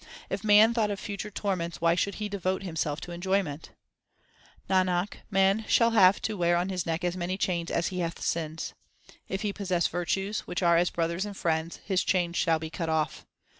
1 If man thought of future torments why should he devote himself to enjoyment ? 2 Nanak, man shall have to wear on his neck as many chains as he hath sins. If he possess virtues, which are as brothers and friends, his chains shall be cut off.